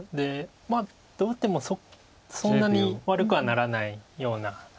まあどう打ってもそんなに悪くはならないような。